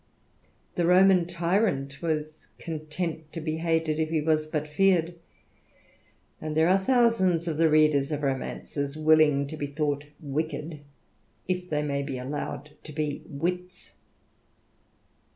The Roman tyrant was content to be hated, if he was but feared ; and there are thousands of the readers of romances willing to be thought wicked^ if they may be allowed to be wits.